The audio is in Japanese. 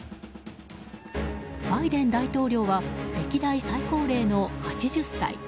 バイデン大統領は歴代最高齢の８０歳。